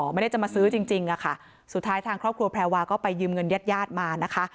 ไม่ได้จะมาซื้อจริงจริงอะค่ะสุดท้ายทางครอบครัวแพรวาก็ไปยืมเงินญาติญาติมานะคะ